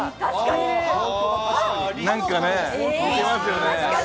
なんかね、似てますよね。